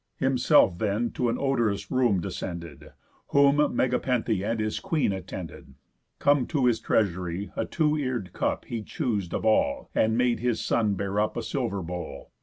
Himself then to an odorous room descended, Whom Megapenthe and his queen attended. Come to his treasury, a two ear'd cup He choos'd of all, and made his son bear up A silver bowl.